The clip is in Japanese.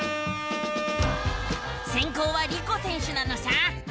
せんこうはリコ選手なのさ！